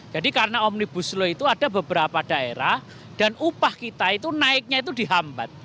jadi karena omnibus slow itu ada beberapa daerah dan upah kita itu naiknya itu dihambat